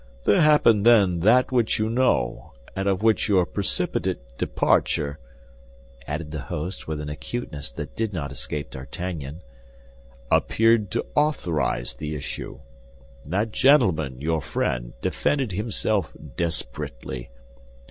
There happened then that which you know, and of which your precipitate departure," added the host, with an acuteness that did not escape D'Artagnan, "appeared to authorize the issue. That gentleman, your friend, defended himself desperately.